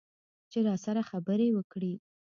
چې راسره خبرې وکړي.